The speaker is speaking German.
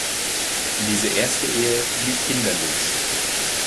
Diese erste Ehe blieb kinderlos.